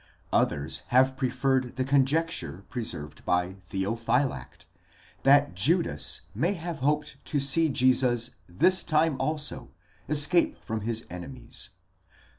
® Others have preferred the conjecture preserved by Theophylact, that Judas may have hoped to see Jesus this time also escape from his enemies.